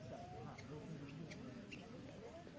เทพธุนร่วมกัน